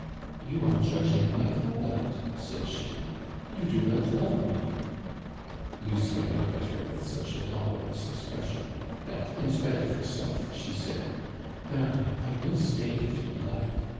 "You are judging my conduct," said she; "you do not love me." Lucien looked at her with such a dolorous expression, that in spite of herself, she said: "Darling, I will stay if you like.